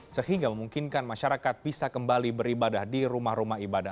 sehingga memungkinkan masyarakat bisa kembali beribadah di rumah rumah ibadah